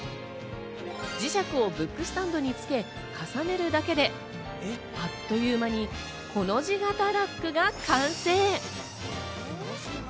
磁石をブックスタンドに付け、重ねるだけであっという間にコの字型ラックが完成。